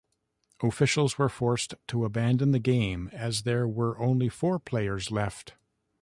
Officials were forced to abandon the game as there were only four players left.